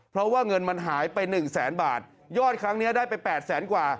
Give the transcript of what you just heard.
เพราะว่าเงินมันหายไปหนึ่งแสนบาทยอดครั้งนี้ได้ไป๘แสนกว่า